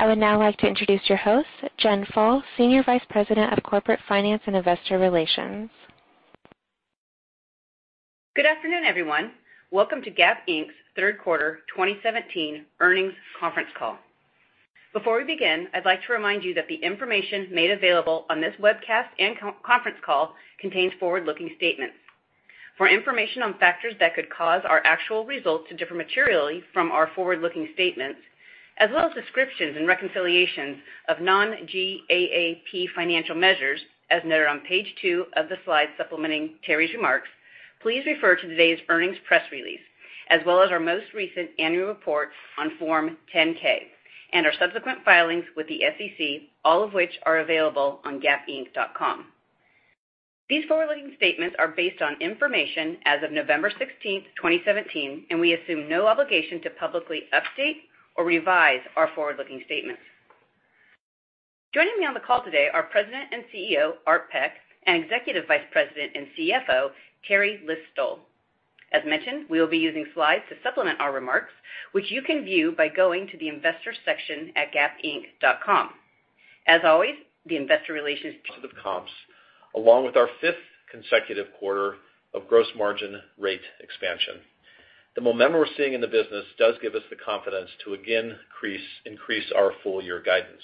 I would now like to introduce your host, Tina Romani, Senior Vice President of Corporate Finance and Investor Relations. Good afternoon, everyone. Welcome to Gap Inc.'s third quarter 2017 earnings conference call. Before we begin, I'd like to remind you that the information made available on this webcast and conference call contains forward-looking statements. For information on factors that could cause our actual results to differ materially from our forward-looking statements, as well as descriptions and reconciliations of non-GAAP financial measures, as noted on page two of the slide supplementing Teri List-Stoll's remarks, please refer to today's earnings press release, as well as our most recent annual report on Form 10-K and our subsequent filings with the SEC, all of which are available on gapinc.com. These forward-looking statements are based on information as of November 16th, 2017, and we assume no obligation to publicly update or revise our forward-looking statements. Joining me on the call today are President and CEO, Art Peck, and Executive Vice President and CFO, Teri List-Stoll. As mentioned, we will be using slides to supplement our remarks, which you can view by going to the investors section at gapinc.com. As always, the investor relations. Of comps, along with our fifth consecutive quarter of gross margin rate expansion. The momentum we're seeing in the business does give us the confidence to again increase our full-year guidance.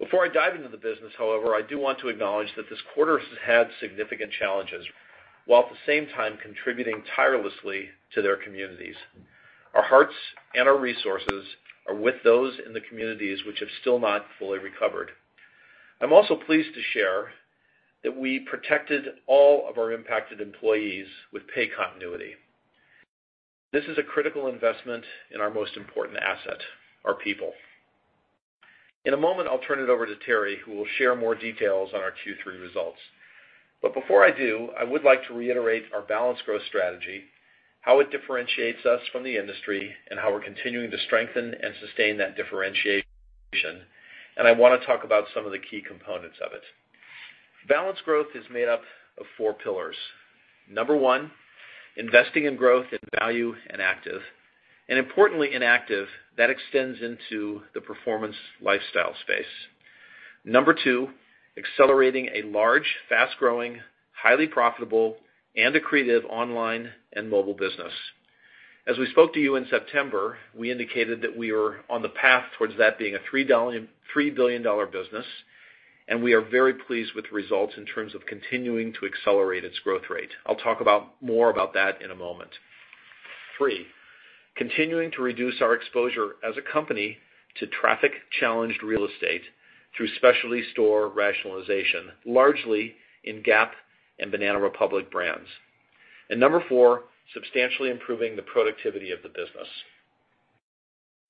Before I dive into the business, however, I do want to acknowledge that this quarter's had significant challenges. While at the same time contributing tirelessly to their communities. Our hearts and our resources are with those in the communities which have still not fully recovered. I'm also pleased to share that we protected all of our impacted employees with pay continuity. This is a critical investment in our most important asset, our people. In a moment, I'll turn it over to Teri, who will share more details on our Q3 results. Before I do, I would like to reiterate our balanced growth strategy, how it differentiates us from the industry, and how we're continuing to strengthen and sustain that differentiation. I want to talk about some of the key components of it. Balanced growth is made up of four pillars. Number 1, investing in growth in value and active, and importantly in active, that extends into the performance lifestyle space. Number 2, accelerating a large, fast-growing, highly profitable, and accretive online and mobile business. As we spoke to you in September, we indicated that we are on the path towards that being a $3 billion business, and we are very pleased with results in terms of continuing to accelerate its growth rate. I'll talk more about that in a moment. 3, continuing to reduce our exposure as a company to traffic-challenged real estate through specialty store rationalization, largely in Gap and Banana Republic brands. Number 4, substantially improving the productivity of the business.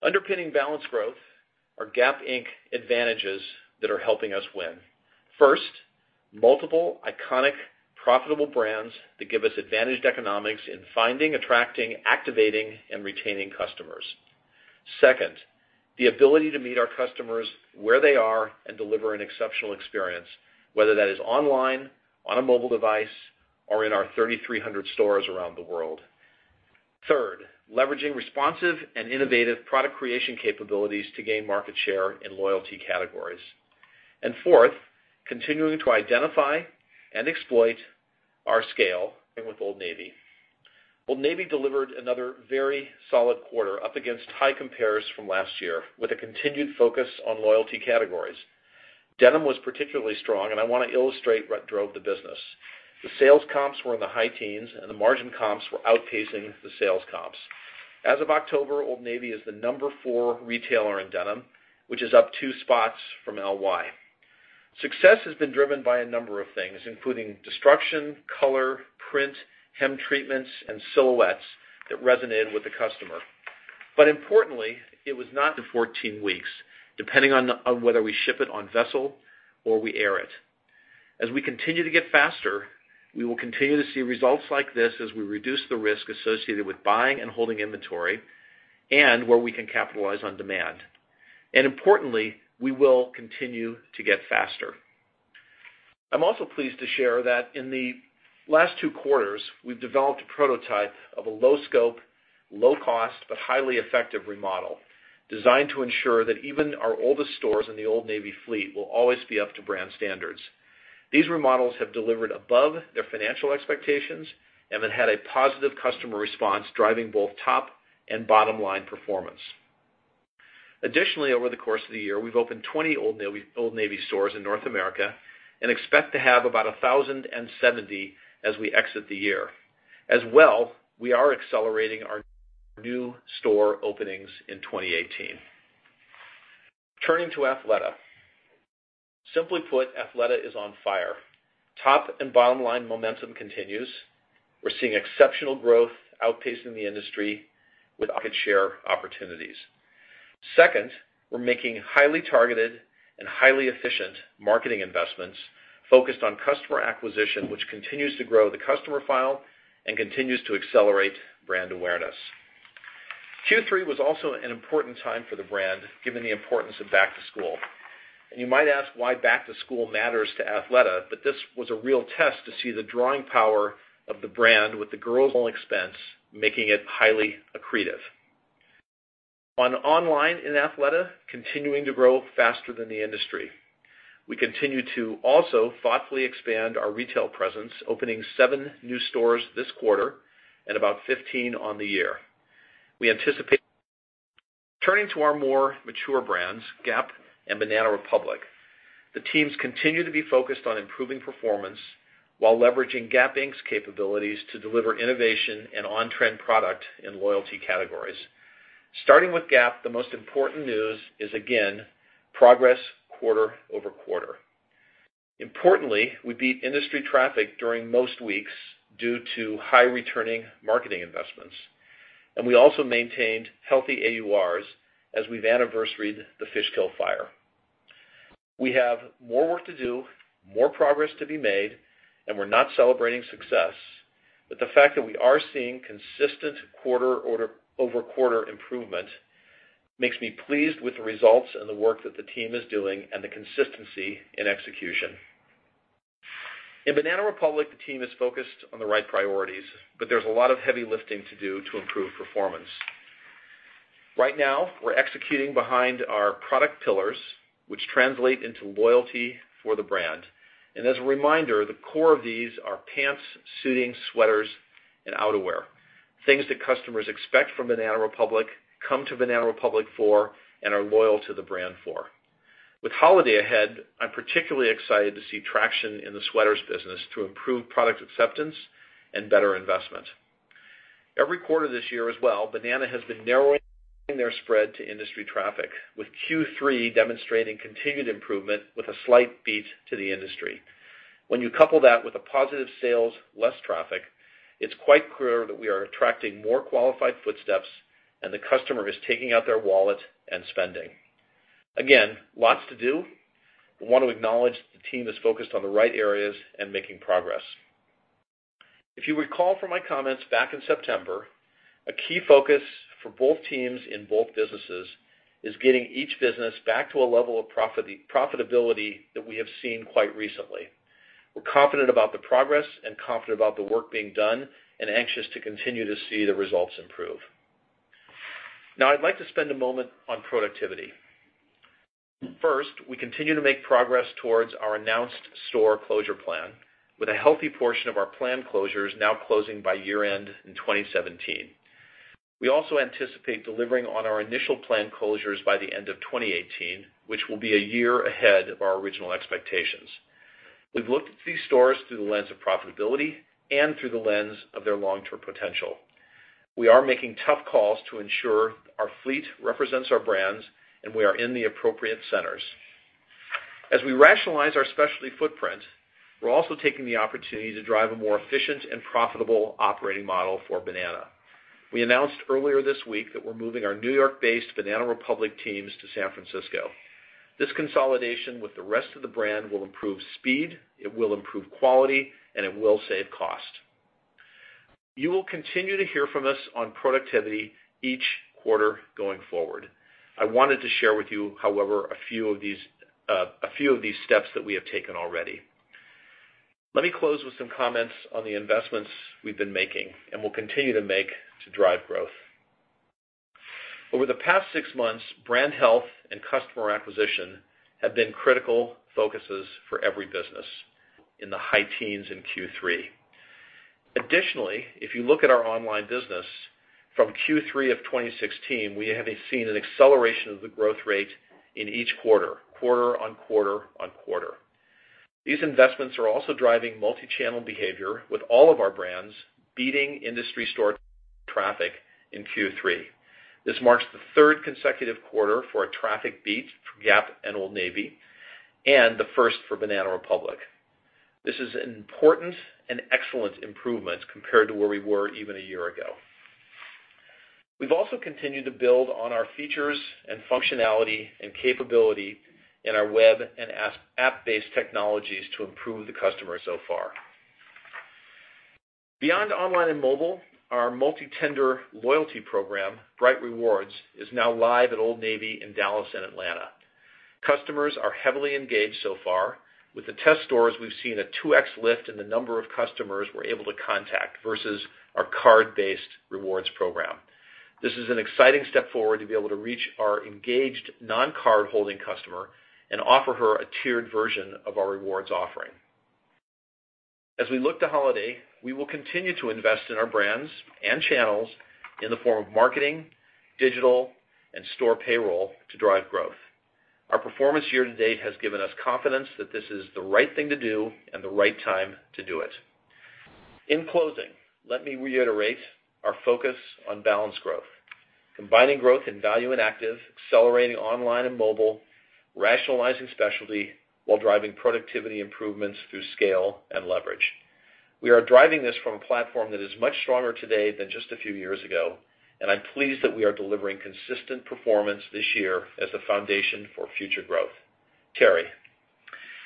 Underpinning balanced growth are Gap Inc. advantages that are helping us win. First, multiple iconic, profitable brands that give us advantaged economics in finding, attracting, activating, and retaining customers. Second, the ability to meet our customers where they are and deliver an exceptional experience, whether that is online, on a mobile device, or in our 3,300 stores around the world. Third, leveraging responsive and innovative product creation capabilities to gain market share in loyalty categories. Fourth, continuing to identify and exploit our scale. With Old Navy. Old Navy delivered another very solid quarter up against high compares from last year, with a continued focus on loyalty categories. Denim was particularly strong, I want to illustrate what drove the business. The sales comps were in the high teens, the margin comps were outpacing the sales comps. As of October, Old Navy is the number 4 retailer in denim, which is up two spots from LY. Success has been driven by a number of things, including destruction, color, print, hem treatments, and silhouettes that resonated with the customer. Importantly, it was 14 weeks, depending on whether we ship it on vessel or we air it. As we continue to get faster, we will continue to see results like this as we reduce the risk associated with buying and holding inventory, where we can capitalize on demand. Importantly, we will continue to get faster. I'm also pleased to share that in the last two quarters, we've developed a prototype of a low scope, low cost, but highly effective remodel designed to ensure that even our oldest stores in the Old Navy fleet will always be up to brand standards. These remodels have delivered above their financial expectations and have had a positive customer response, driving both top and bottom-line performance. Additionally, over the course of the year, we've opened 20 Old Navy stores in North America and expect to have about 1,070 as we exit the year. As well, we are accelerating our new store openings in 2018. Turning to Athleta. Simply put, Athleta is on fire. Top and bottom-line momentum continues. We're seeing exceptional growth outpacing the industry with market share opportunities. Second, we're making highly targeted and highly efficient marketing investments focused on customer acquisition, which continues to grow the customer file and continues to accelerate brand awareness. Q3 was also an important time for the brand, given the importance of back to school. You might ask why back to school matters to Athleta, but this was a real test to see the drawing power of the brand with the girls' own expense, making it highly accretive. On online and Athleta, continuing to grow faster than the industry. We continue to also thoughtfully expand our retail presence, opening seven new stores this quarter and about 15 on the year. Turning to our more mature brands, Gap and Banana Republic. The teams continue to be focused on improving performance while leveraging Gap Inc.'s capabilities to deliver innovation and on-trend product in loyalty categories. Starting with Gap, the most important news is again, progress quarter-over-quarter. Importantly, we beat industry traffic during most weeks due to high returning marketing investments, and we also maintained healthy AURs as we've anniversaried the Fishkill fire. We have more work to do, more progress to be made, and we're not celebrating success. The fact that we are seeing consistent quarter-over-quarter improvement makes me pleased with the results and the work that the team is doing and the consistency in execution. In Banana Republic, the team is focused on the right priorities, but there's a lot of heavy lifting to do to improve performance. Right now, we're executing behind our product pillars, which translate into loyalty for the brand. As a reminder, the core of these are pants, suiting, sweaters, and outerwear. Things that customers expect from Banana Republic, come to Banana Republic for, and are loyal to the brand for. With holiday ahead, I'm particularly excited to see traction in the sweaters business to improve product acceptance and better investment. Every quarter this year as well, Banana has been narrowing their spread to industry traffic, with Q3 demonstrating continued improvement with a slight beat to the industry. When you couple that with a positive sales, less traffic, it's quite clear that we are attracting more qualified footsteps and the customer is taking out their wallet and spending. Again, lots to do, but want to acknowledge the team is focused on the right areas and making progress. If you recall from my comments back in September, a key focus for both teams in both businesses is getting each business back to a level of profitability that we have seen quite recently. We're confident about the progress and confident about the work being done, and anxious to continue to see the results improve. Now, I'd like to spend a moment on productivity. First, we continue to make progress towards our announced store closure plan with a healthy portion of our planned closures now closing by year-end in 2017. We also anticipate delivering on our initial plan closures by the end of 2018, which will be a year ahead of our original expectations. We've looked at these stores through the lens of profitability and through the lens of their long-term potential. We are making tough calls to ensure our fleet represents our brands, and we are in the appropriate centers. As we rationalize our specialty footprint, we're also taking the opportunity to drive a more efficient and profitable operating model for Banana. We announced earlier this week that we're moving our New York-based Banana Republic teams to San Francisco. This consolidation with the rest of the brand will improve speed, it will improve quality, and it will save cost. You will continue to hear from us on productivity each quarter going forward. I wanted to share with you, however, a few of these steps that we have taken already. Let me close with some comments on the investments we've been making and will continue to make to drive growth. Over the past six months, brand health and customer acquisition have been critical focuses for every business in the high teens in Q3. Additionally, if you look at our online business from Q3 of 2016, we have seen an acceleration of the growth rate in each quarter on quarter on quarter. These investments are also driving multi-channel behavior with all of our brands beating industry store traffic in Q3. This marks the third consecutive quarter for a traffic beat for Gap and Old Navy, and the first for Banana Republic. This is an important and excellent improvement compared to where we were even a year ago. We've also continued to build on our features and functionality and capability in our web and app-based technologies to improve the customer so far. Beyond online and mobile, our multi-tender loyalty program, Bright Rewards, is now live at Old Navy in Dallas and Atlanta. Customers are heavily engaged so far. With the test stores, we've seen a 2x lift in the number of customers we're able to contact versus our card-based rewards program. This is an exciting step forward to be able to reach our engaged non-card-holding customer and offer her a tiered version of our rewards offering. As we look to holiday, we will continue to invest in our brands and channels in the form of marketing, digital, and store payroll to drive growth. Our performance year to date has given us confidence that this is the right thing to do and the right time to do it. In closing, let me reiterate our focus on balanced growth. Combining growth in value and active, accelerating online and mobile, rationalizing specialty while driving productivity improvements through scale and leverage. We are driving this from a platform that is much stronger today than just a few years ago, and I'm pleased that we are delivering consistent performance this year as the foundation for future growth. Teri?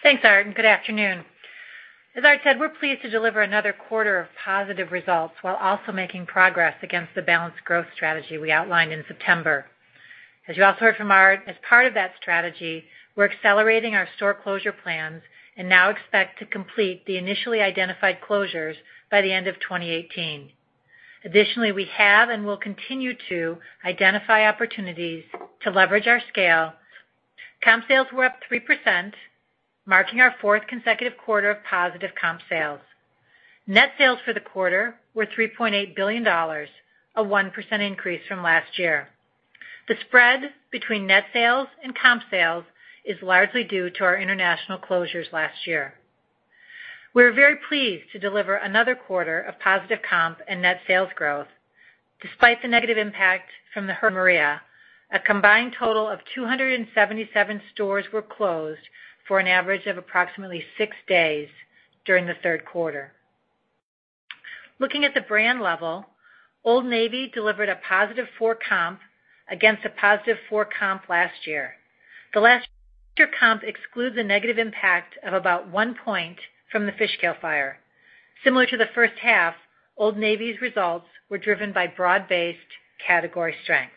Thanks, Art, and good afternoon. As Art said, we're pleased to deliver another quarter of positive results while also making progress against the balanced growth strategy we outlined in September. As you also heard from Art, as part of that strategy, we're accelerating our store closure plans and now expect to complete the initially identified closures by the end of 2018. Additionally, we have and will continue to identify opportunities to leverage our scale. Comp sales were up 3%, marking our fourth consecutive quarter of positive comp sales. Net sales for the quarter were $3.8 billion, a 1% increase from last year. The spread between net sales and comp sales is largely due to our international closures last year. We are very pleased to deliver another quarter of positive comp and net sales growth, despite the negative impact from the Hurricane Maria. A combined total of 277 stores were closed for an average of approximately six days during the third quarter. Looking at the brand level, Old Navy delivered a positive 4 comp against a positive 4 comp last year. The last year comp excludes a negative impact of about 1 point from the Fishkill fire. Similar to the first half, Old Navy's results were driven by broad-based category strength.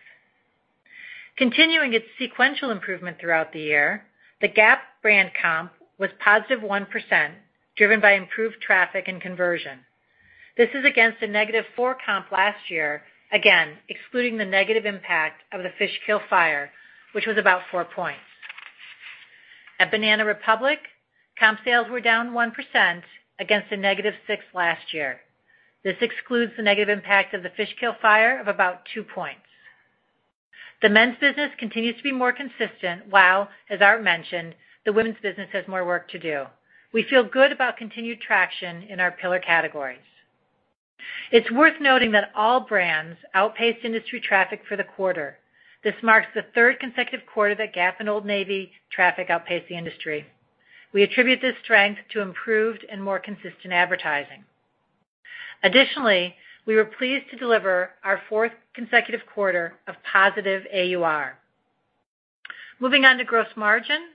Continuing its sequential improvement throughout the year, the Gap brand comp was positive 1%, driven by improved traffic and conversion. This is against a negative 4 comp last year, again, excluding the negative impact of the Fishkill fire, which was about 4 points. At Banana Republic, comp sales were down 1% against a negative 6 last year. This excludes the negative impact of the Fishkill fire of about 2 points. The men's business continues to be more consistent, while, as Art mentioned, the women's business has more work to do. We feel good about continued traction in our pillar categories. It's worth noting that all brands outpaced industry traffic for the quarter. This marks the third consecutive quarter that Gap and Old Navy traffic outpaced the industry. We attribute this strength to improved and more consistent advertising. Additionally, we were pleased to deliver our fourth consecutive quarter of positive AUR. Moving on to gross margin.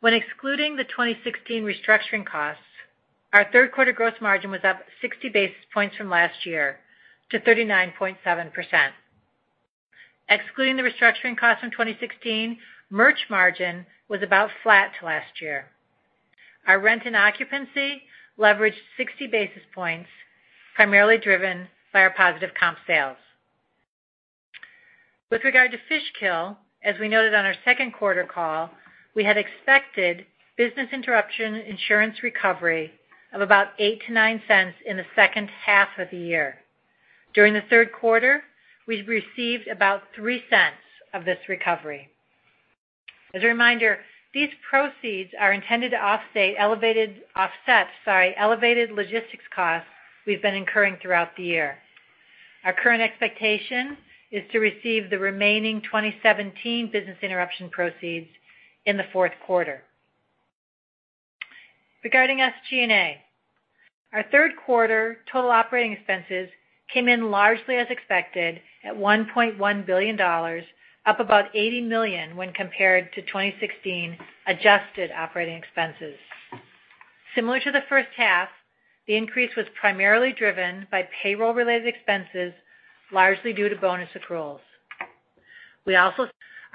When excluding the 2016 restructuring costs, our third quarter gross margin was up 60 basis points from last year to 39.7%. Excluding the restructuring cost from 2016, merch margin was about flat to last year. Our rent and occupancy leveraged 60 basis points, primarily driven by our positive comp sales. With regard to Fishkill, as we noted on our second quarter call, we had expected business interruption insurance recovery of about $0.08 to $0.09 in the second half of the year. During the third quarter, we've received about $0.03 of this recovery. As a reminder, these proceeds are intended to offset elevated logistics costs we've been incurring throughout the year. Our current expectation is to receive the remaining 2017 business interruption proceeds in the fourth quarter. Regarding SG&A, our third quarter total operating expenses came in largely as expected at $1.1 billion, up about $80 million when compared to 2016 adjusted operating expenses. Similar to the first half, the increase was primarily driven by payroll-related expenses, largely due to bonus accruals.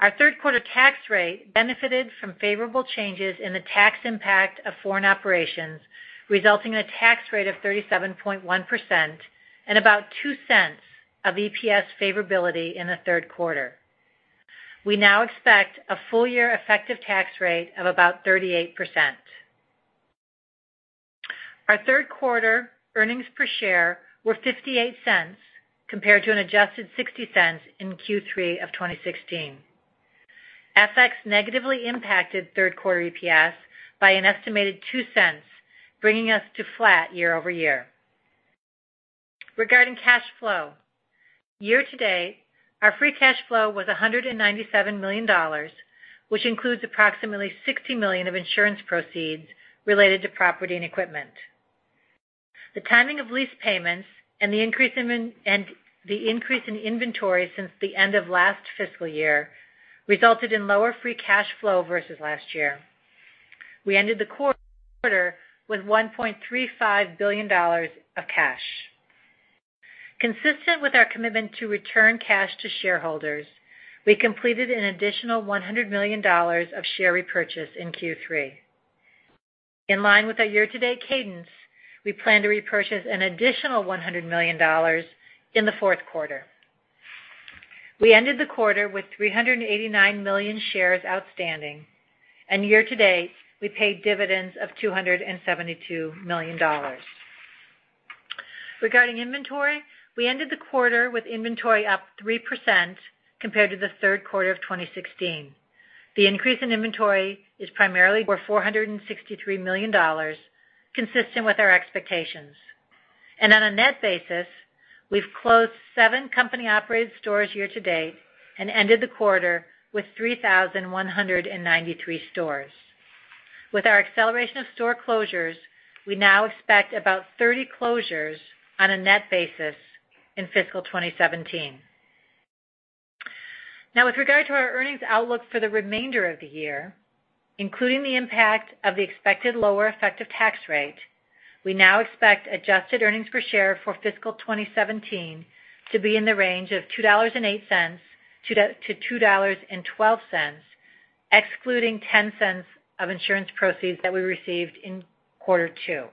Our third quarter tax rate benefited from favorable changes in the tax impact of foreign operations, resulting in a tax rate of 37.1% and about $0.02 of EPS favorability in the third quarter. We now expect a full year effective tax rate of about 38%. Our third quarter earnings per share were $0.58 compared to an adjusted $0.60 in Q3 of 2016. FX negatively impacted third quarter EPS by an estimated $0.02, bringing us to flat year-over-year. Regarding cash flow. Year-to-date, our free cash flow was $197 million, which includes approximately $60 million of insurance proceeds related to property and equipment. The timing of lease payments and the increase in inventory since the end of last fiscal year resulted in lower free cash flow versus last year. We ended the quarter with $1.35 billion of cash. Consistent with our commitment to return cash to shareholders, we completed an additional $100 million of share repurchase in Q3. In line with our year-to-date cadence, we plan to repurchase an additional $100 million in the fourth quarter. We ended the quarter with 389 million shares outstanding, and year-to-date, we paid dividends of $272 million. Regarding inventory, we ended the quarter with inventory up 3% compared to the third quarter of 2016. The increase in inventory is primarily for $463 million, consistent with our expectations. On a net basis, we've closed seven company-operated stores year-to-date and ended the quarter with 3,193 stores. With our acceleration of store closures, we now expect about 30 closures on a net basis in fiscal 2017. With regard to our earnings outlook for the remainder of the year, including the impact of the expected lower effective tax rate, we now expect adjusted EPS for fiscal 2017 to be in the range of $2.08 to $2.12, excluding $0.10 of insurance proceeds that we received in quarter two.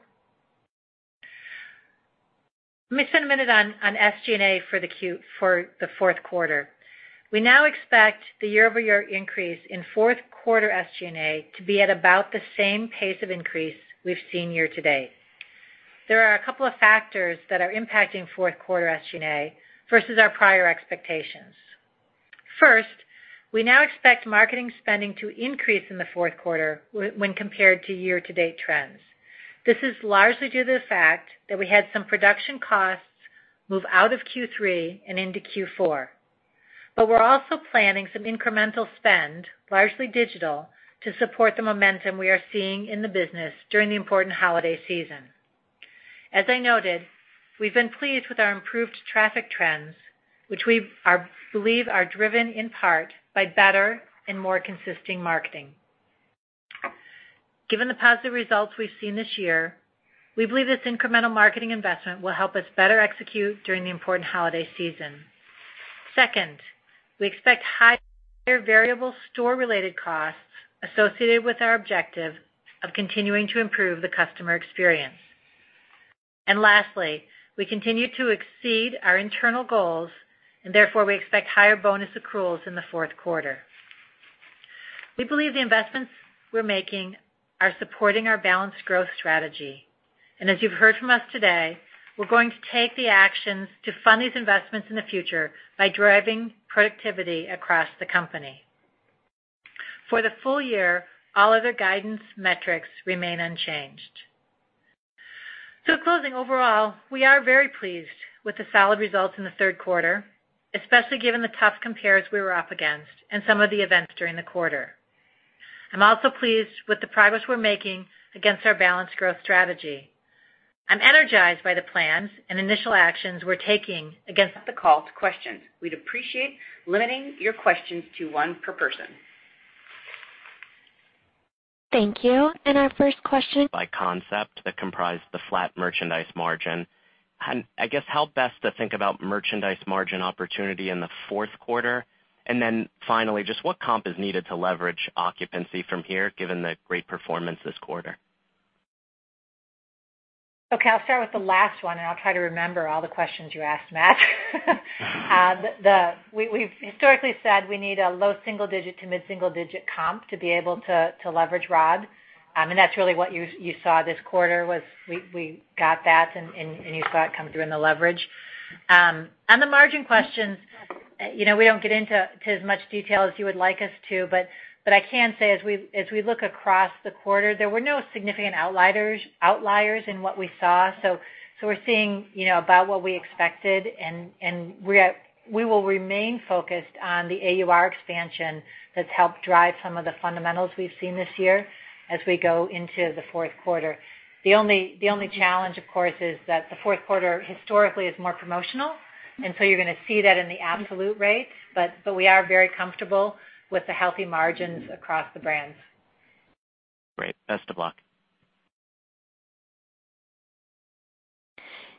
Let me spend a minute on SG&A for the fourth quarter. We now expect the year-over-year increase in fourth quarter SG&A to be at about the same pace of increase we've seen year-to-date. There are a couple of factors that are impacting fourth quarter SG&A versus our prior expectations. First, we now expect marketing spending to increase in the fourth quarter when compared to year-to-date trends. This is largely due to the fact that we had some production costs move out of Q3 and into Q4. We're also planning some incremental spend, largely digital, to support the momentum we are seeing in the business during the important holiday season. As I noted, we've been pleased with our improved traffic trends, which we believe are driven in part by better and more consistent marketing. Given the positive results we've seen this year, we believe this incremental marketing investment will help us better execute during the important holiday season. Second, we expect higher variable store-related costs associated with our objective of continuing to improve the customer experience. Lastly, we continue to exceed our internal goals, and therefore, we expect higher bonus accruals in the fourth quarter. We believe the investments we're making are supporting our balanced growth strategy. As you've heard from us today, we're going to take the actions to fund these investments in the future by driving productivity across the company. For the full year, all other guidance metrics remain unchanged. Closing overall, we are very pleased with the solid results in the third quarter, especially given the tough compares we were up against and some of the events during the quarter. I'm also pleased with the progress we're making against our balanced growth strategy. I'm energized by the plans and initial actions we're taking against the call to questions. We'd appreciate limiting your questions to one per person. Thank you. Our first question- By concept that comprised the flat merchandise margin. I guess how best to think about merchandise margin opportunity in the fourth quarter. Finally, just what comp is needed to leverage occupancy from here, given the great performance this quarter. Okay, I'll start with the last one, and I'll try to remember all the questions you asked, Matt. We've historically said we need a low single-digit to mid-single-digit comp to be able to leverage ROG. That's really what you saw this quarter was we got that, and you saw it come through in the leverage. On the margin questions, we don't get into as much detail as you would like us to, I can say, as we look across the quarter, there were no significant outliers in what we saw. We're seeing about what we expected, and we will remain focused on the AUR expansion that's helped drive some of the fundamentals we've seen this year as we go into the fourth quarter. The only challenge, of course, is that the fourth quarter historically is more promotional, you're going to see that in the absolute rates. We are very comfortable with the healthy margins across the brands. Great. Best of luck.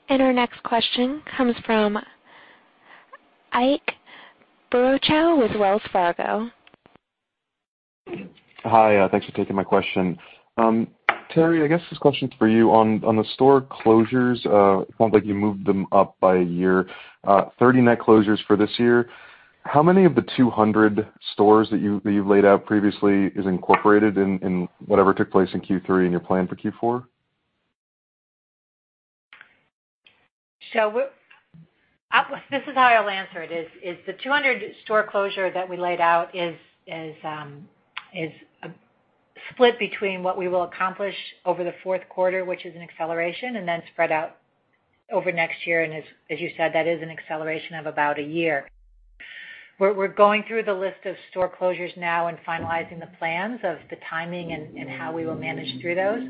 Our next question comes from Ike Boruchow with Wells Fargo. Hi. Thanks for taking my question. Teri, I guess this question's for you. On the store closures, it sounds like you moved them up by a year. 30 net closures for this year. How many of the 200 stores that you've laid out previously is incorporated in whatever took place in Q3 and your plan for Q4? This is how I'll answer it, is the 200 store closure that we laid out is split between what we will accomplish over the fourth quarter, which is an acceleration, and then spread out over next year. As you said, that is an acceleration of about a year. We're going through the list of store closures now and finalizing the plans of the timing and how we will manage through those.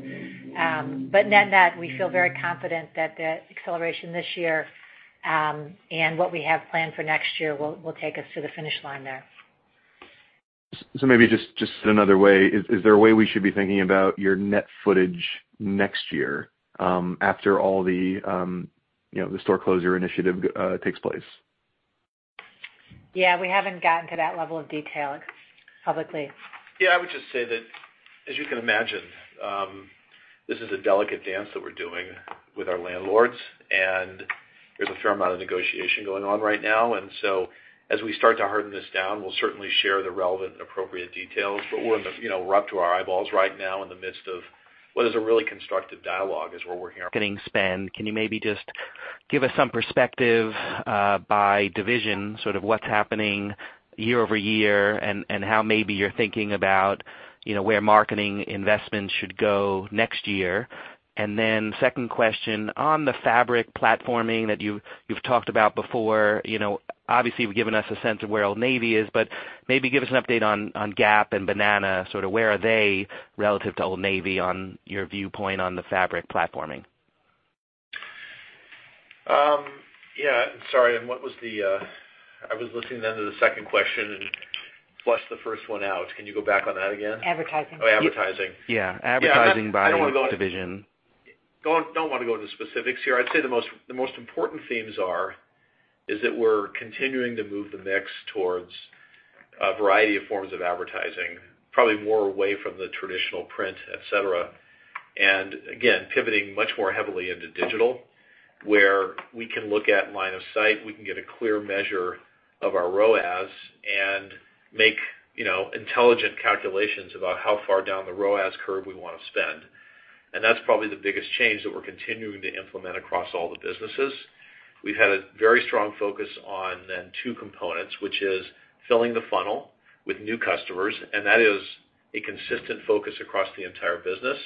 Net, we feel very confident that the acceleration this year, and what we have planned for next year will take us to the finish line there. Maybe just said another way, is there a way we should be thinking about your net footage next year after all the store closure initiative takes place? Yeah. We haven't gotten to that level of detail publicly. Yeah. I would just say that, as you can imagine, this is a delicate dance that we're doing with our landlords, and there's a fair amount of negotiation going on right now. As we start to harden this down, we'll certainly share the relevant and appropriate details. We're up to our eyeballs right now in the midst of what is a really constructive dialogue. Regarding span. Can you maybe just give us some perspective by division, sort of what's happening year-over-year and how maybe you're thinking about where marketing investments should go next year. Second question on the fabric platforming that you've talked about before. Obviously, you've given us a sense of where Old Navy is, but maybe give us an update on Gap and Banana, sort of where are they relative to Old Navy on your viewpoint on the fabric platforming. Yeah. Sorry, I was listening then to the second question and flushed the first one out. Can you go back on that again? Advertising. Oh, advertising. Yeah. Advertising by division. Don't want to go into specifics here. I'd say the most important themes are, is that we're continuing to move the mix towards a variety of forms of advertising. Probably more away from the traditional print, et cetera. Again, pivoting much more heavily into digital, where we can look at line of sight, we can get a clear measure of our ROAS and make intelligent calculations about how far down the ROAS curve we want to spend. That's probably the biggest change that we're continuing to implement across all the businesses. We've had a very strong focus on then two components, which is filling the funnel with new customers, and that is a consistent focus across the entire business.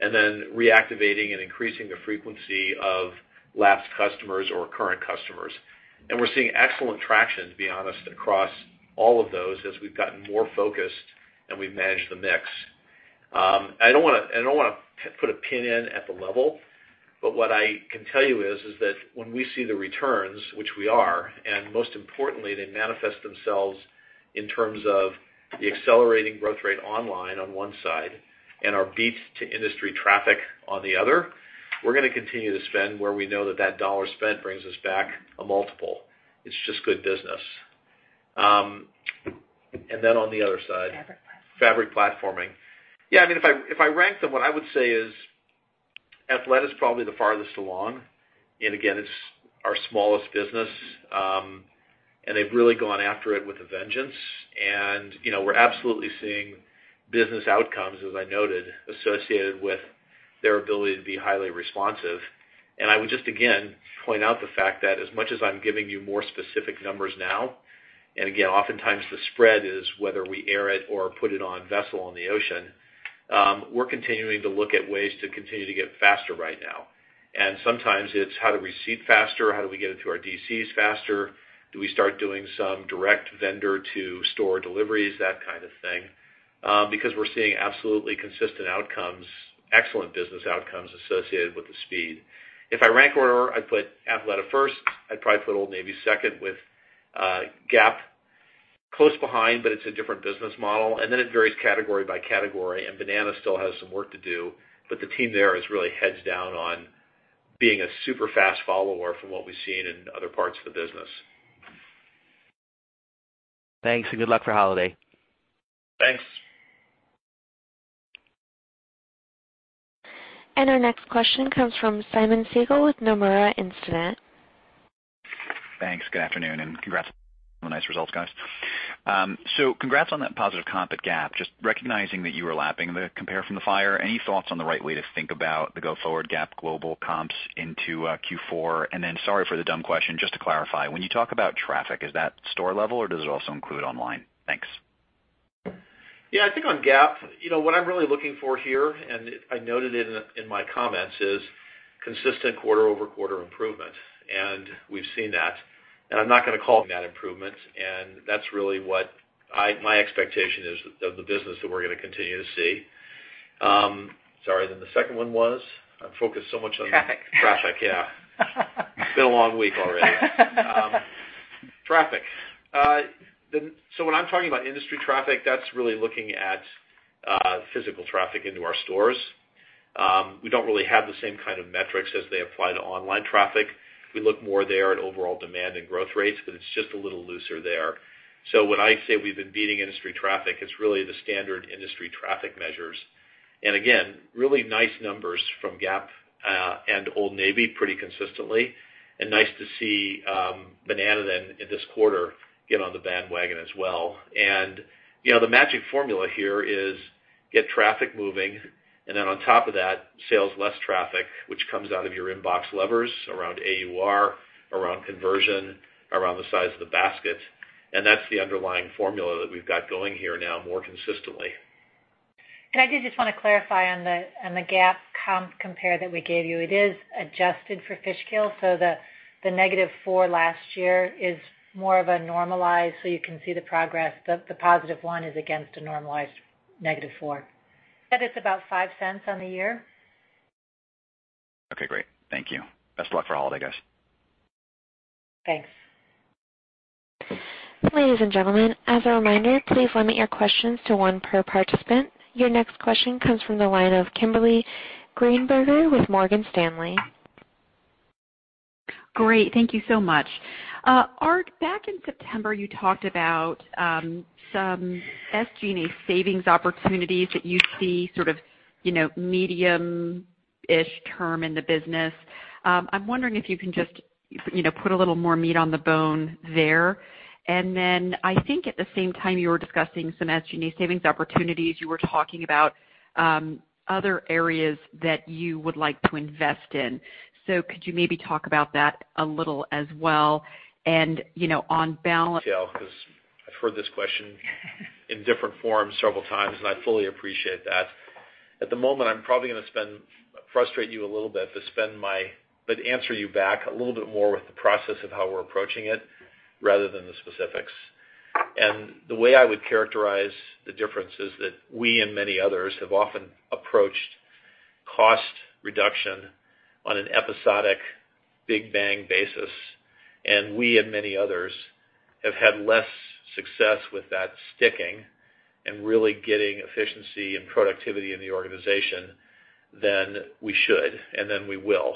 Then reactivating and increasing the frequency of lapsed customers or current customers. We're seeing excellent traction, to be honest, across all of those as we've gotten more focused and we've managed the mix. I don't want to put a pin in at the level, what I can tell you is that when we see the returns, which we are, most importantly, they manifest themselves in terms of the accelerating growth rate online on one side and our beat to industry traffic on the other. We're going to continue to spend where we know that dollar spend brings us back a multiple. It's just good business. Then on the other side. Fabric platforming. Fabric platforming. If I rank them, what I would say is Athleta is probably the farthest along. Again, it's our smallest business. They've really gone after it with a vengeance. We're absolutely seeing business outcomes, as I noted, associated with their ability to be highly responsive. I would just, again, point out the fact that as much as I'm giving you more specific numbers now, again, oftentimes the spread is whether we air it or put it on vessel on the ocean. We're continuing to look at ways to continue to get faster right now. Sometimes it's how do we seat faster, how do we get it to our DCs faster? Do we start doing some direct vendor-to-store deliveries, that kind of thing. Because we're seeing absolutely consistent outcomes, excellent business outcomes associated with the speed. If I rank order, I'd put Athleta first, I'd probably put Old Navy second with Gap close behind, it's a different business model. Then it varies category by category, Banana still has some work to do, the team there is really heads down on being a super fast follower from what we've seen in other parts of the business. Thanks. Good luck for holiday. Thanks. Our next question comes from Simeon Siegel with Nomura Instinet. Thanks. Good afternoon, congrats on the nice results, guys. Congrats on that positive comp at Gap. Just recognizing that you were lapping the compare from the fire. Any thoughts on the right way to think about the go forward Gap global comps into Q4? Sorry for the dumb question, just to clarify, when you talk about traffic, is that store level or does it also include online? Thanks. Yeah, I think on Gap, what I'm really looking for here, I noted it in my comments, is consistent quarter-over-quarter improvement. We've seen that. I'm not going to call that improvement. That's really what my expectation is of the business that we're going to continue to see. Sorry, the second one was? Traffic Traffic, yeah. It's been a long week already. Traffic. When I'm talking about industry traffic, that's really looking at physical traffic into our stores. We don't really have the same kind of metrics as they apply to online traffic. We look more there at overall demand and growth rates, because it's just a little looser there. When I say we've been beating industry traffic, it's really the standard industry traffic measures. Again, really nice numbers from Gap and Old Navy pretty consistently. Nice to see Banana then in this quarter get on the bandwagon as well. The magic formula here is get traffic moving, and then on top of that, sales less traffic, which comes out of your in-box levers around AUR, around conversion, around the size of the basket. That's the underlying formula that we've got going here now more consistently. I did just want to clarify on the Gap comp compare that we gave you. It is adjusted for Fishkill, so the -4 last year is more of a normalized so you can see the progress. The +1 is against a normalized -4. That is about $0.05 on the year. Okay, great. Thank you. Best of luck for holiday, guys. Thanks. Ladies and gentlemen, as a reminder, please limit your questions to one per participant. Your next question comes from the line of Kimberly Greenberger with Morgan Stanley. Great. Thank you so much. Art, back in September, you talked about some SG&A savings opportunities that you see medium-ish term in the business. I'm wondering if you can just put a little more meat on the bone there. Then I think at the same time you were discussing some SG&A savings opportunities, you were talking about other areas that you would like to invest in. Could you maybe talk about that a little as well? Detail, because I've heard this question in different forms several times, and I fully appreciate that. At the moment, I'm probably going to frustrate you a little bit, but answer you back a little bit more with the process of how we're approaching it rather than the specifics. The way I would characterize the difference is that we and many others have often approached cost reduction on an episodic big bang basis, and we and many others have had less success with that sticking and really getting efficiency and productivity in the organization than we should, and than we will.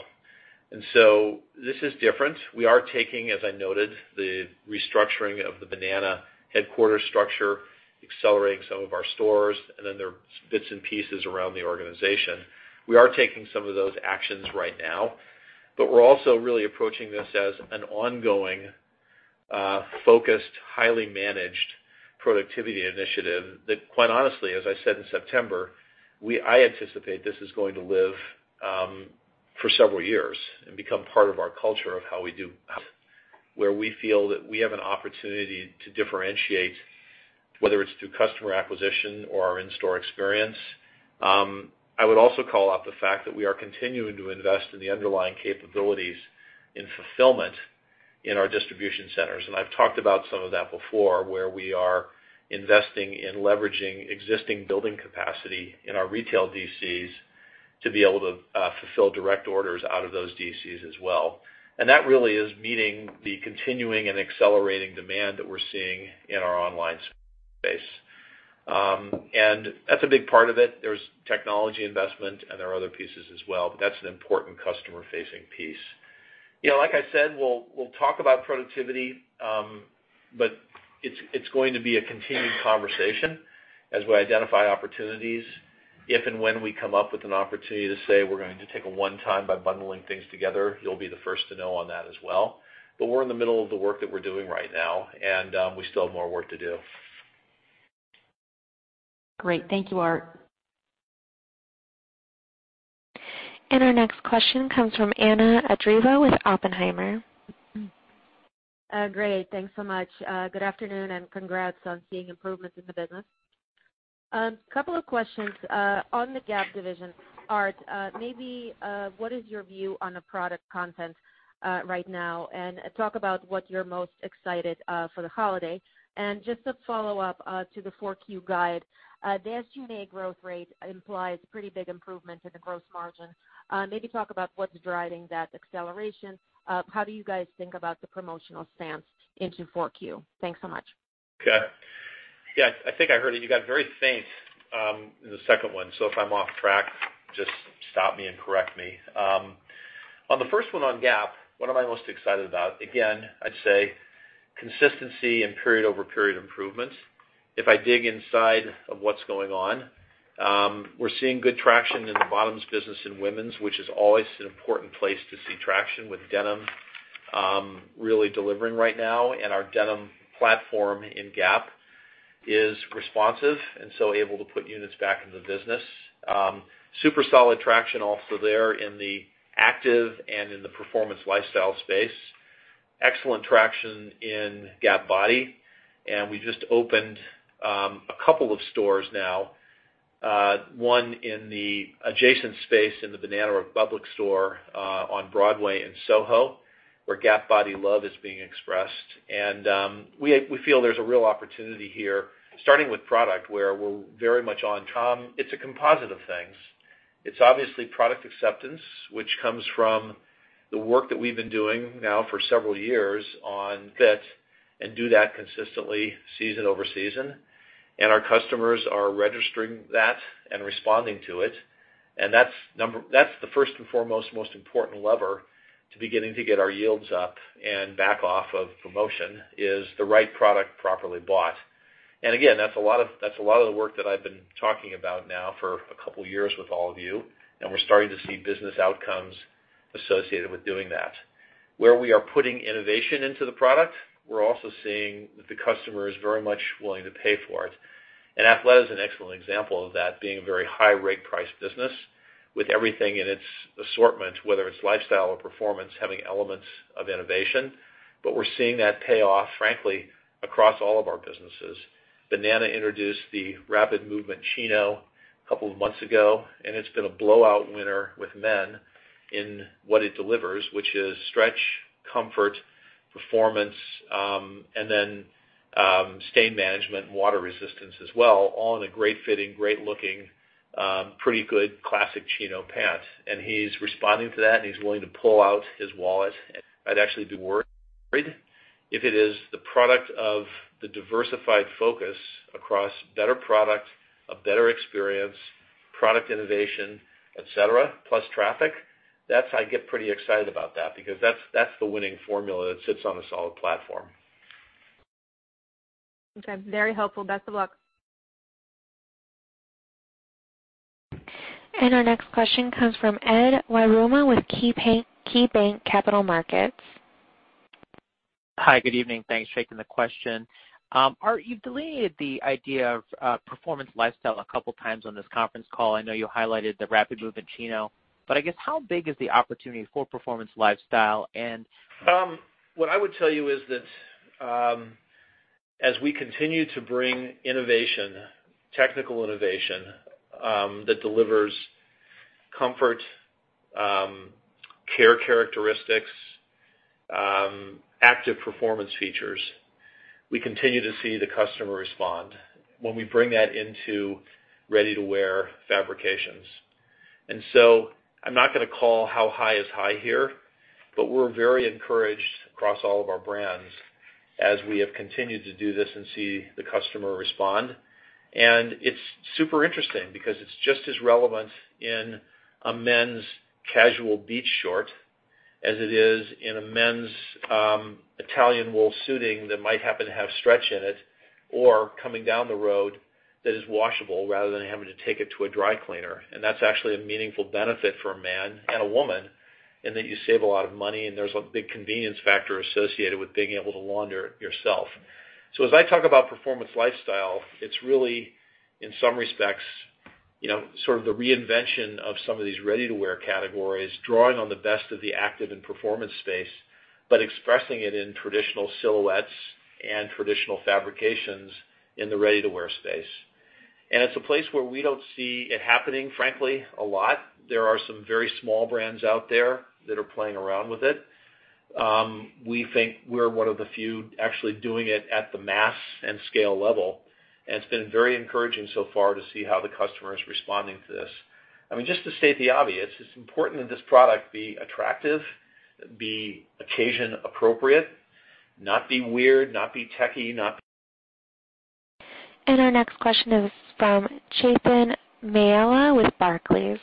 So this is different. We are taking, as I noted, the restructuring of the Banana headquarters structure, accelerating some of our stores, and then there are bits and pieces around the organization. We are taking some of those actions right now, we're also really approaching this as an ongoing, focused, highly managed productivity initiative that quite honestly, as I said in September, I anticipate this is going to live for several years and become part of our culture. Where we feel that we have an opportunity to differentiate, whether it's through customer acquisition or our in-store experience. I would also call out the fact that we are continuing to invest in the underlying capabilities in fulfillment in our distribution centers. I've talked about some of that before, where we are investing in leveraging existing building capacity in our retail DCs to be able to fulfill direct orders out of those DCs as well. That really is meeting the continuing and accelerating demand that we're seeing in our online space. That's a big part of it. There's technology investment, and there are other pieces as well, but that's an important customer-facing piece. Like I said, we'll talk about productivity, but it's going to be a continued conversation as we identify opportunities. If and when we come up with an opportunity to say we're going to take a one-time by bundling things together, you'll be the first to know on that as well. We're in the middle of the work that we're doing right now, and we still have more work to do. Great. Thank you, Art. Our next question comes from Anna Andreeva with Oppenheimer. Great. Thanks so much. Good afternoon, congrats on seeing improvements in the business. Couple of questions on the Gap division. Art, maybe what is your view on the product content right now? Talk about what you're most excited for the holiday. Just to follow up to the 4Q guide, the SG&A growth rate implies pretty big improvement in the gross margin. Maybe talk about what's driving that acceleration. How do you guys think about the promotional stance into 4Q? Thanks so much. Okay. Yeah, I think I heard it. You got very faint on the second one, so if I'm off track, just stop me and correct me. On the first one on Gap, what am I most excited about? Again, I'd say consistency and period-over-period improvements. If I dig inside of what's going on, we're seeing good traction in the bottoms business in women's, which is always an important place to see traction with denim really delivering right now. Our denim platform in Gap is responsive and so able to put units back in the business. Super solid traction also there in the active and in the performance lifestyle space. Excellent traction in GapBody. We just opened a couple of stores now, one in the adjacent space in the Banana Republic store on Broadway in Soho, where GapBody love is being expressed. We feel there's a real opportunity here, starting with product, where we're very much on top. It's a composite of things. It's obviously product acceptance, which comes from the work that we've been doing now for several years on fit and do that consistently season over season. Our customers are registering that and responding to it. That's the first and foremost, most important lever to beginning to get our yields up and back off of promotion is the right product properly bought. Again, that's a lot of the work that I've been talking about now for a couple of years with all of you, and we're starting to see business outcomes associated with doing that. Where we are putting innovation into the product, we're also seeing that the customer is very much willing to pay for it. Athleta is an excellent example of that being a very high ROG price business with everything in its assortment, whether it's lifestyle or performance, having elements of innovation. We're seeing that pay off, frankly, across all of our businesses. Banana Republic introduced the Rapid Movement Chino a couple of months ago, and it's been a blowout winner with men in what it delivers, which is stretch, comfort, performance, and then stain management and water resistance as well, all in a great fitting, great looking pretty good classic chino pant. He's responding to that, and he's willing to pull out his wallet. I'd actually be worried if it is the product of the diversified focus across better product, a better experience, product innovation, et cetera, plus traffic. I get pretty excited about that because that's the winning formula that sits on a solid platform. Okay. Very helpful. Best of luck. Our next question comes from Edward Yruma with KeyBanc Capital Markets. Hi. Good evening. Thanks, taking the question. Art, you've delayed the idea of performance lifestyle a couple of times on this conference call. I know you highlighted the Rapid Movement Chino, but I guess how big is the opportunity for performance lifestyle and What I would tell you is that as we continue to bring innovation, technical innovation that delivers comfort, care characteristics, active performance features. We continue to see the customer respond when we bring that into ready-to-wear fabrications. I'm not going to call how high is high here, but we're very encouraged across all of our brands as we have continued to do this and see the customer respond. It's super interesting because it's just as relevant in a men's casual beach short as it is in a men's Italian wool suiting that might happen to have stretch in it or coming down the road that is washable rather than having to take it to a dry cleaner. That's actually a meaningful benefit for a man and a woman in that you save a lot of money, and there's a big convenience factor associated with being able to launder it yourself. As I talk about performance lifestyle, it's really, in some respects, sort of the reinvention of some of these ready-to-wear categories, drawing on the best of the active and performance space, but expressing it in traditional silhouettes and traditional fabrications in the ready-to-wear space. It's a place where we don't see it happening, frankly, a lot. There are some very small brands out there that are playing around with it. We think we're one of the few actually doing it at the mass and scale level, and it's been very encouraging so far to see how the customer is responding to this. Just to state the obvious, it's important that this product be attractive, be occasion appropriate, not be weird, not be techy. Our next question is from Chethan Mallela with Barclays.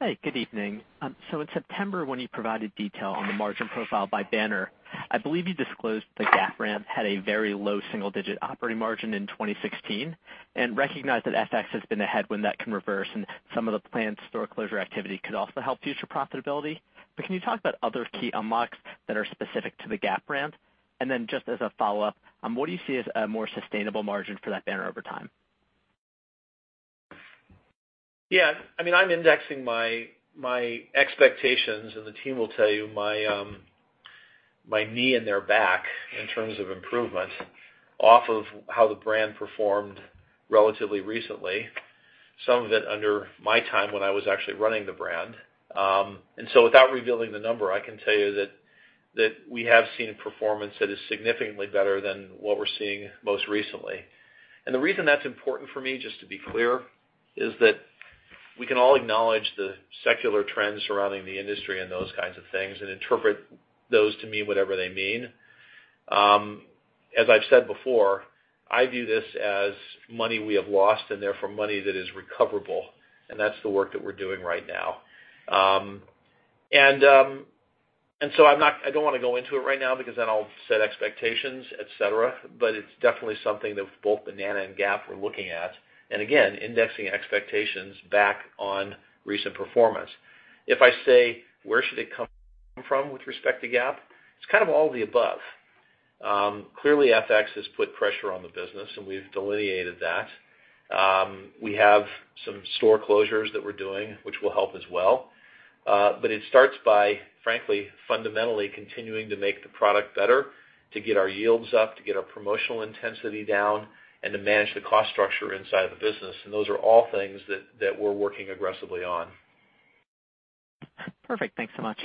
Hi, good evening. In September, when you provided detail on the margin profile by banner, I believe you disclosed the Gap brand had a very low single-digit operating margin in 2016 and recognized that FX has been a headwind that can reverse and some of the planned store closure activity could also help future profitability. Can you talk about other key unlocks that are specific to the Gap brand? Just as a follow-up, what do you see as a more sustainable margin for that banner over time? Yeah. I'm indexing my expectations, the team will tell you my knee in their back in terms of improvement off of how the brand performed relatively recently, some of it under my time when I was actually running the brand. Without revealing the number, I can tell you that we have seen performance that is significantly better than what we're seeing most recently. The reason that's important for me, just to be clear, is that we can all acknowledge the secular trends surrounding the industry and those kinds of things and interpret those to mean whatever they mean. As I've said before, I view this as money we have lost and therefore money that is recoverable, and that's the work that we're doing right now. I don't want to go into it right now because then I'll set expectations, et cetera, but it's definitely something that both Banana and Gap we're looking at. Again, indexing expectations back on recent performance. If I say, where should it come from with respect to Gap? It's kind of all of the above. Clearly, FX has put pressure on the business, and we've delineated that. We have some store closures that we're doing, which will help as well. It starts by, frankly, fundamentally continuing to make the product better, to get our yields up, to get our promotional intensity down, and to manage the cost structure inside the business. Those are all things that we're working aggressively on. Perfect. Thanks so much.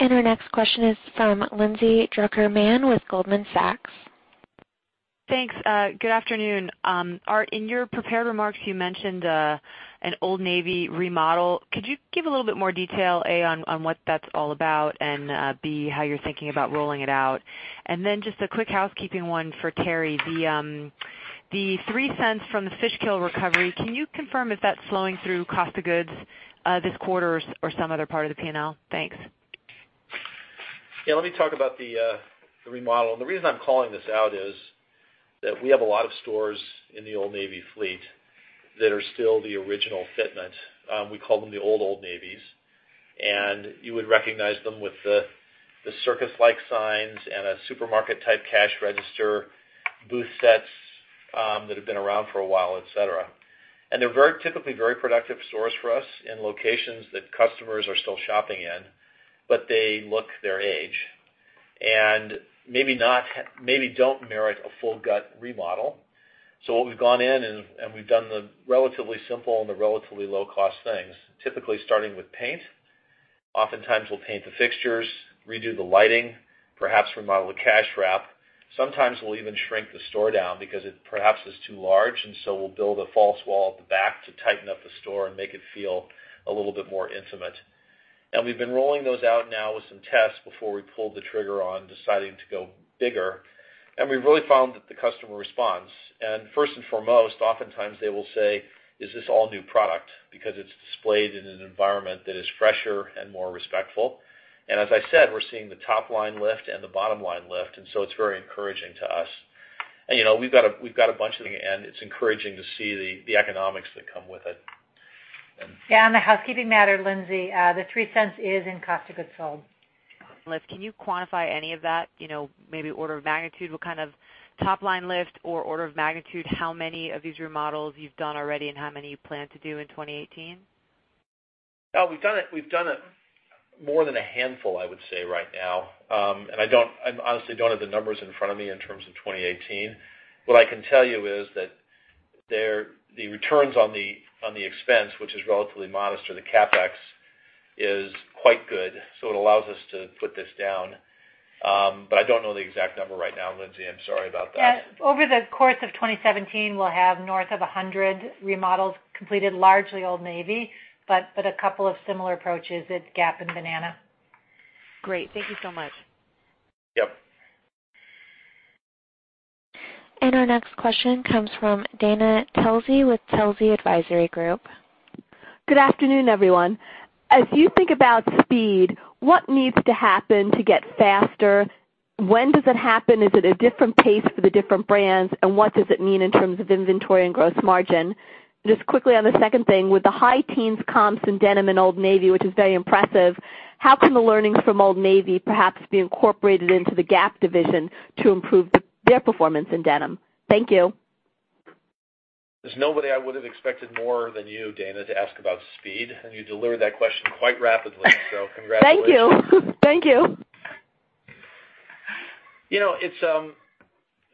Our next question is from Lindsay Drucker Mann with Goldman Sachs. Thanks. Good afternoon. Art, in your prepared remarks, you mentioned an Old Navy remodel. Could you give a little bit more detail, A, on what that's all about and, B, how you're thinking about rolling it out? Then just a quick housekeeping one for Teri. The $0.03 from the Fishkill recovery, can you confirm if that's flowing through cost of goods this quarter or some other part of the P&L? Thanks. Yeah, let me talk about the remodel. The reason I'm calling this out is that we have a lot of stores in the Old Navy fleet that are still the original fitment. We call them the old Old Navys, and you would recognize them with the circus-like signs and a supermarket-type cash register, booth sets that have been around for a while, et cetera. They're very typically very productive stores for us in locations that customers are still shopping in, but they look their age and maybe don't merit a full gut remodel. What we've gone in and we've done the relatively simple and the relatively low-cost things, typically starting with paint. Oftentimes we'll paint the fixtures, redo the lighting, perhaps remodel the cash wrap. Sometimes we'll even shrink the store down because it perhaps is too large, we'll build a false wall at the back to tighten up the store and make it feel a little bit more intimate. We've been rolling those out now with some tests before we pulled the trigger on deciding to go bigger. We've really found that the customer responds. First and foremost, oftentimes they will say, "Is this all new product?" Because it's displayed in an environment that is fresher and more respectful. As I said, we're seeing the top line lift and the bottom line lift, it's very encouraging to us. We've got a bunch of, and it's encouraging to see the economics that come with it. Yeah, on the housekeeping matter, Lindsay, the $0.03 is in cost of goods sold. Lift. Can you quantify any of that, maybe order of magnitude? What kind of top line lift or order of magnitude, how many of these remodels you've done already and how many you plan to do in 2018? We've done it more than a handful, I would say right now. I honestly don't have the numbers in front of me in terms of 2018. What I can tell you is that the returns on the expense, which is relatively modest or the CapEx, is quite good. It allows us to put this down. I don't know the exact number right now, Lindsay, I'm sorry about that. Yeah. Over the course of 2017, we'll have north of 100 remodels completed, largely Old Navy, but a couple of similar approaches at Gap and Banana. Great. Thank you so much. Yep. Our next question comes from Dana Telsey with Telsey Advisory Group. Good afternoon, everyone. As you think about speed, what needs to happen to get faster? When does it happen? Is it a different pace for the different brands, and what does it mean in terms of inventory and gross margin? Just quickly on the second thing, with the high teens comps in denim and Old Navy, which is very impressive, how can the learnings from Old Navy perhaps be incorporated into the Gap division to improve their performance in denim? Thank you. There's nobody I would've expected more than you, Dana, to ask about speed. You delivered that question quite rapidly, so congratulations. Thank you.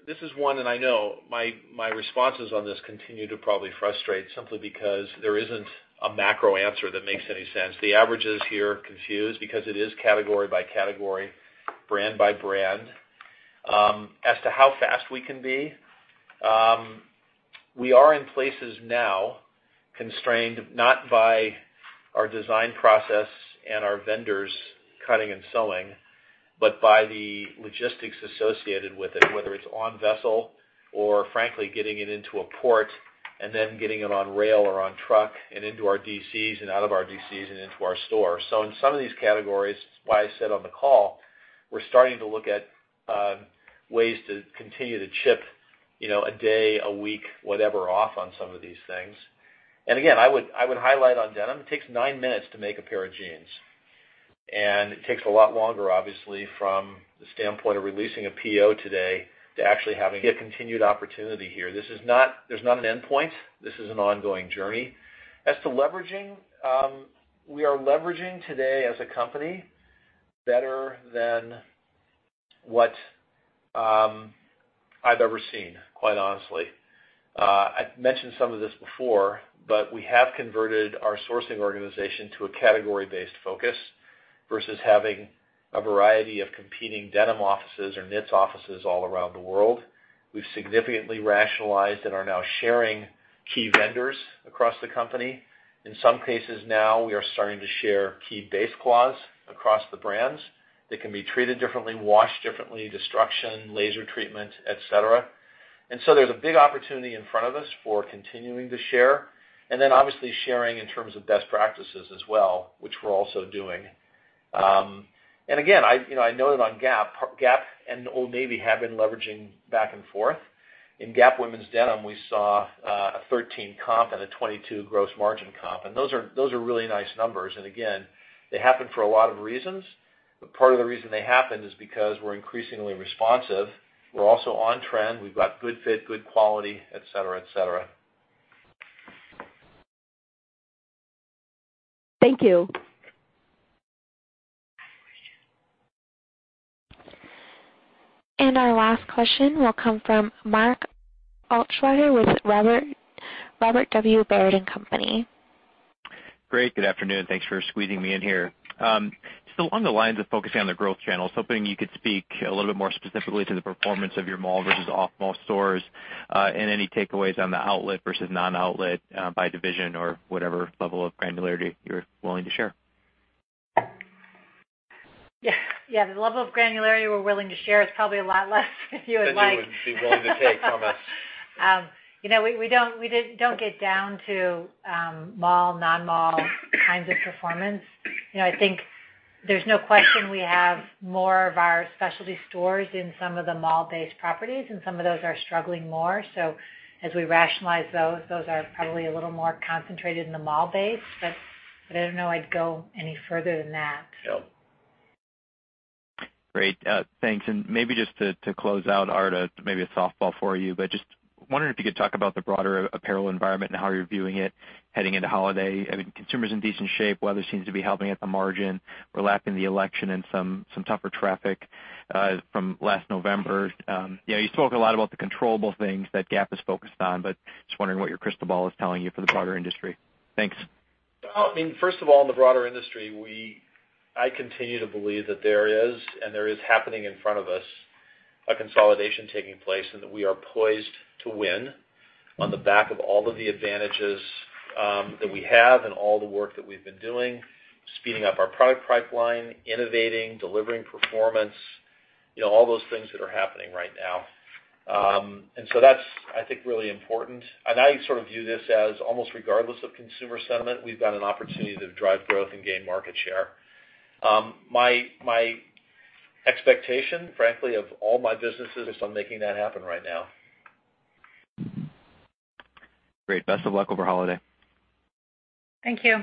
This is one. I know my responses on this continue to probably frustrate simply because there isn't a macro answer that makes any sense. The averages here confuse because it is category by category, brand by brand. As to how fast we can be, we are in places now constrained not by our design process and our vendors cutting and sewing, but by the logistics associated with it, whether it's on vessel or frankly, getting it into a port and then getting it on rail or on truck and into our DCs and out of our DCs and into our stores. In some of these categories, it's why I said on the call, we're starting to look at ways to continue to chip a day, a week, whatever, off on some of these things. I would highlight on denim, it takes nine minutes to make a pair of jeans, and it takes a lot longer, obviously, from the standpoint of releasing a PO today to actually having a continued opportunity here. There's not an endpoint. This is an ongoing journey. As to leveraging, we are leveraging today as a company better than what I've ever seen, quite honestly. I've mentioned some of this before, but we have converted our sourcing organization to a category-based focus versus having a variety of competing denim offices or knits offices all around the world. We've significantly rationalized and are now sharing key vendors across the company. In some cases now, we are starting to share key base cloths across the brands that can be treated differently, washed differently, destruction, laser treatment, et cetera. There's a big opportunity in front of us for continuing to share, and then obviously sharing in terms of best practices as well, which we're also doing. Again, I know that on Gap and Old Navy have been leveraging back and forth. In Gap women's denim, we saw a 13 comp and a 22 gross margin comp, and those are really nice numbers. Again, they happen for a lot of reasons, but part of the reason they happen is because we're increasingly responsive. We're also on trend. We've got good fit, good quality, et cetera. Thank you. Our last question will come from Mark Altschwager with Robert W. Baird & Co.. Great. Good afternoon. Thanks for squeezing me in here. Along the lines of focusing on the growth channels, hoping you could speak a little bit more specifically to the performance of your mall versus off-mall stores, and any takeaways on the outlet versus non-outlet by division or whatever level of granularity you're willing to share. Yeah. The level of granularity we're willing to share is probably a lot less than you would like. Than you would be willing to take from us. We don't get down to mall, non-mall kinds of performance. I think there's no question we have more of our specialty stores in some of the mall-based properties, and some of those are struggling more. As we rationalize those are probably a little more concentrated in the mall base, but I don't know I'd go any further than that. No. Maybe just to close out, Art, maybe a softball for you, but just wondering if you could talk about the broader apparel environment and how you're viewing it heading into Holiday. I mean, consumer's in decent shape. Weather seems to be helping at the margin. We're lapping the election and some tougher traffic from last November. You spoke a lot about the controllable things that Gap is focused on, but just wondering what your crystal ball is telling you for the broader industry. Thanks. I mean, first of all, in the broader industry, I continue to believe that there is, and there is happening in front of us, a consolidation taking place, and that we are poised to win on the back of all of the advantages that we have and all the work that we've been doing, speeding up our product pipeline, innovating, delivering performance, all those things that are happening right now. That's, I think, really important. I sort of view this as almost regardless of consumer sentiment, we've got an opportunity to drive growth and gain market share. My expectation, frankly, of all my businesses is on making that happen right now. Great. Best of luck over Holiday. Thank you.